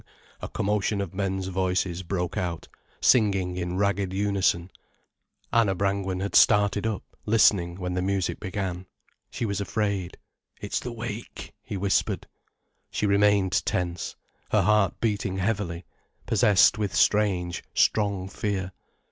A commotion of men's voices broke out singing in ragged unison. Anna Brangwen had started up, listening, when the music began. She was afraid. "It's the wake," he whispered. She remained tense, her heart beating heavily, possessed with strange, strong fear.